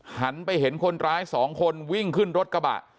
หันไปเห็นคนร้ายสองคนวิ่งขึ้นรถกระบะ